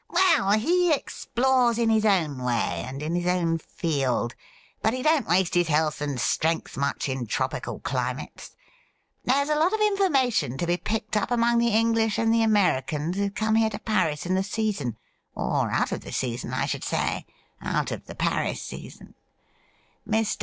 ' Well, he explores in his own way, and in his own field, but he don't waste his health and strength much in tropical climates. There's a lot of information to be picked up among the English and the Americans who come here to Paris in the season — or out of the season, I should say — out of the Paris season. Mr.